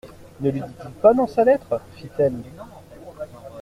Ne le dit-il pas dans sa lettre ? fit-elle.